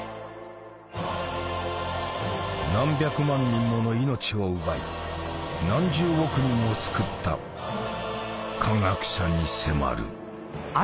何百万人もの命を奪い何十億人を救った化学者に迫る。